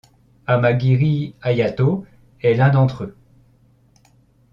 Amagiri Ayato est l'un d'entre eux.